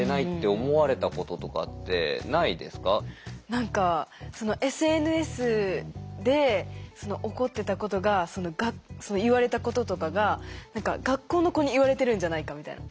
何かＳＮＳで起こってたことがその言われたこととかが学校の子に言われてるんじゃないかみたいな。